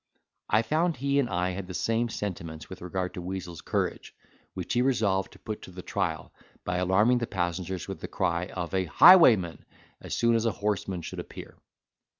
I found he and I had the same sentiments with regard to Weazel's courage, which he resolved to put to the trial, by alarming the passengers with the cry of a 'highwayman!' as soon as a horseman should appear.